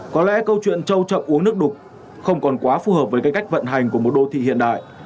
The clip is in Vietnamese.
có lẽ câu chuyện châu trọng uống nước đục không còn quá phù hợp với cái cách vận hành của một đô thị hiện đại